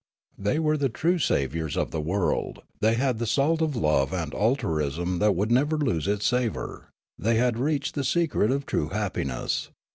They were the true saviours of the world ; they had the salt of love and altruism that would never lose its savour ; they had reached the secret of true happiness.